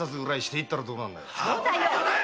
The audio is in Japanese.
そうだよ！